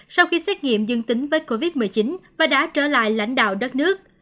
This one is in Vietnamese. sau khi xét nghiệm dương tính với covid một mươi chín và đã trở lại lãnh đạo đất nước